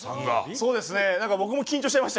そうですね。